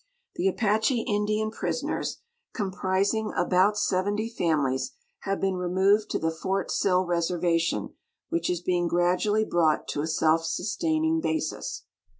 Tlie .\pache Indian jirisoners, comprising about 70 families, have been removed to the Fort Sill reservation, which is being gradually brought to a self sustaining basis.